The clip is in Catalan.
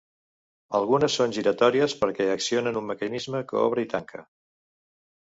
Algunes són giratòries, perquè accionen un mecanisme que obre i tanca.